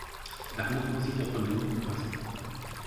Damit muss sich der Konvent befassen.